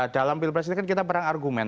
dalam pilpres ini kan kita perang argumen